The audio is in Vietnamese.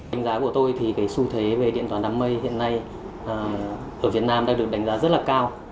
đánh giá của tôi thì cái xu thế về điện toán đám mây hiện nay ở việt nam đang được đánh giá rất là cao